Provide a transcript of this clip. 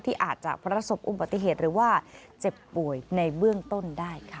อาจจะประสบอุบัติเหตุหรือว่าเจ็บป่วยในเบื้องต้นได้ค่ะ